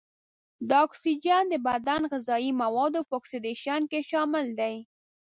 دا اکسیجن د بدن غذايي موادو په اکسیدیشن کې شامل دی.